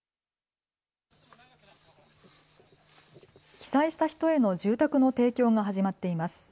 被災した人への住宅の提供が始まっています。